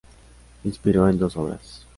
Se inspiró en dos obras.